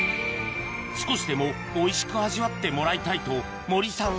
少しでもおいしく味わってもらいたいと森さん